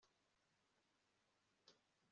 nshobora gushobora guhuza ibyo muri gahunda yanjye